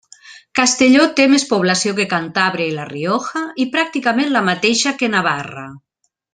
Castelló té més població que Cantàbria i La Rioja i pràcticament la mateixa que Navarra.